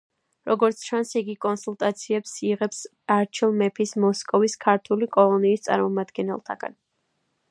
როგორც ჩანს, იგი კონსულტაციებს იღებს არჩილ მეფის მოსკოვის ქართული კოლონიის წარმომადგენელთაგან.